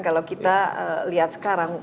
kalau kita lihat sekarang